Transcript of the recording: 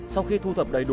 sau khi thu thập đầy đủ